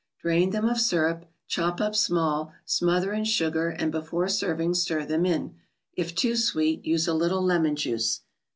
Drain them of syrup, chop up small, smother in sugar, and, before serving, stir them in. If too sweet, use a little lemon juice.